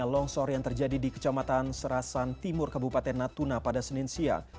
longsor yang terjadi di kecamatan serasan timur kabupaten natuna pada senin siang